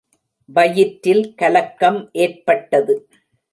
வயிற்றில் கலக்கம் ஏற்பட்டது.